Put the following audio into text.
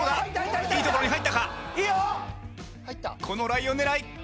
このライオン狙い。